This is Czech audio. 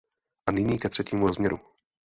A nyní ke třetímu rozměru.